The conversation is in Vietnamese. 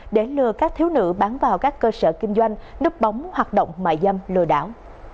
để lừa các thiếu nữ bán vào các cơ sở kinh doanh núp bóng hoạt động mại dâm lừa đảo